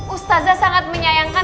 ustazah sangat menyayangkan